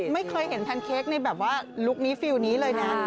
ไม่เคยเห็นแพนเค้กในแบบว่าลุคนี้ฟิลนี้เลยนะ